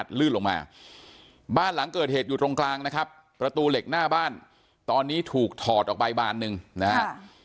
ลื่นลงมาบ้านหลังเกิดเหตุอยู่ตรงกลางนะครับประตูเหล็กหน้าบ้านตอนนี้ถูกถอดออกไปบานหนึ่งนะฮะ